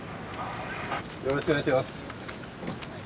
よろしくお願いします。